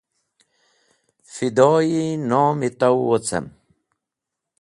Fido-e nom-e taw wocem.